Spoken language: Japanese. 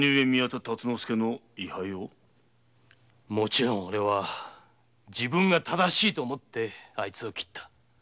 もちろん俺は自分が正しいと思ってあいつを斬った。